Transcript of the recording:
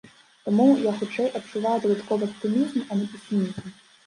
Таму я, хутчэй, адчуваю дадатковы аптымізм, а не песімізм.